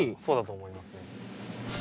そうだと思いますね。